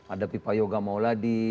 ada pipa yoga mauladi